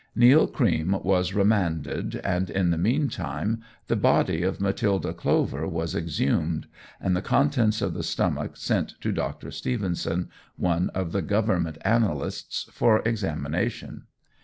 Neill Cream was remanded, and in the meanwhile the body of Matilda Clover was exhumed, and the contents of the stomach sent to Dr. Stevenson, one of the Government analysts, for examination.